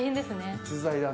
逸材だね。